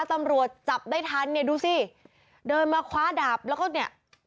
ตำรวจจับได้ทันเนี่ยดูสิเดินมาคว้าดาบแล้วก็เนี่ย